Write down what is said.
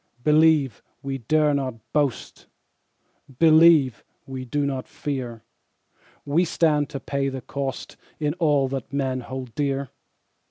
Believe, we dare not boast, Believe, we do not fear We stand to pay the cost In all that men hold dear.